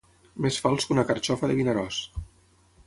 Més fals que una carxofa de Vinaròs.